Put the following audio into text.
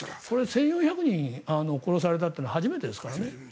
１４００人殺されたというのは初めてですからね。